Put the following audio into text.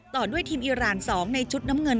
ต่อด้วยทีมอิราณ๒ในชุดน้ำเงิน